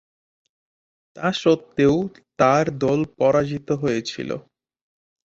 তাস্বত্ত্বেও তার দল পরাজিত হয়েছিল।